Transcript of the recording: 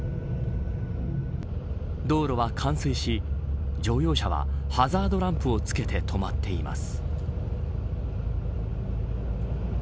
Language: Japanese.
道路は冠水し乗用車はハザードランプをつけて止まっています。